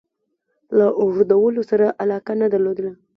له اوږدولو سره علاقه نه درلوده.